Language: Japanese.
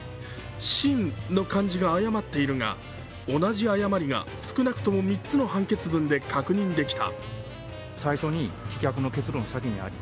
「信」の漢字が誤っているが同じ誤りが少なくとも３つの判決文で確認できた。